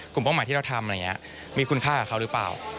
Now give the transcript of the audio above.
กลุ่มป้องหมายที่เราทำมีคุณค่าหรือเปล่า